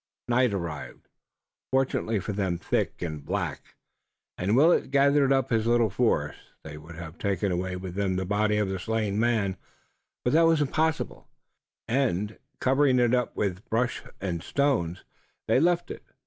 Night arrived, fortunately for them thick and black, and Willet gathered up his little force. They would have taken away with them the body of the slain man, but that was impossible, and, covering it up with brush and stones, they left it.